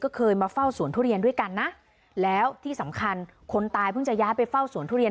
ก็เคยมาเฝ้าสวนทุเรียนด้วยกันนะแล้วที่สำคัญคนตายเพิ่งจะย้ายไปเฝ้าสวนทุเรียน